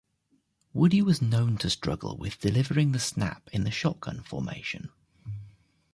Woody was known to struggle with delivering the snap in the shotgun formation.